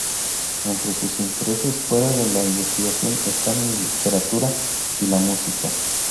Entre sus intereses fuera de la investigación están la literatura y la música.